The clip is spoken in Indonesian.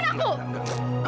enggak enggak enggak